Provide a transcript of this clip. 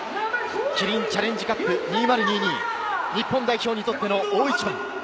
キリンチャレンジカップ２０２２、日本代表にとっての大一番。